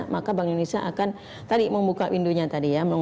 maka bank indonesia akan tadi membuka windunya tadi ya